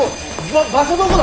場所どこだ？